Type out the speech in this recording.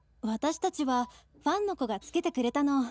「私たちはファンの子が付けてくれたの」。